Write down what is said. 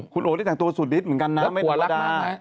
คุณโอ๋ได้แต่งตัวสุดฤทธิ์เหมือนกันน่ะแล้วหัวรักมากไหม